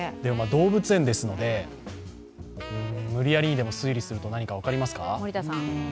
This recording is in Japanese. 動物園ですので、むりやりでも推理すると何か分かりますか？